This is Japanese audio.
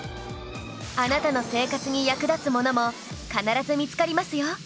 あなたの生活に役立つものも必ず見つかりますよ